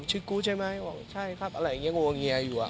ชื่อกุ๊ดใช่ไหมบอกว่าใช่ครับอะไรอย่างเงี้ยงวงเงียอยู่อ่ะ